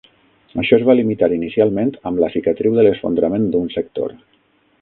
Això es va limitar inicialment amb la cicatriu de l'esfondrament d'un sector.